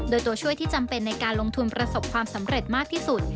โดยตัวช่วยที่จำเป็นในการลงทุนประสบความสำเร็จมากที่สุด